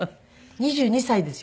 ２２歳ですよ。